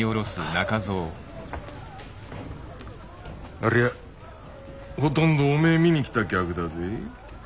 ありゃほとんどおめえ見に来た客だぜ。